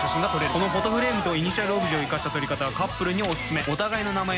このフォトフレームとイニシャルオブジェをいかした撮り方はカップルにオススメ！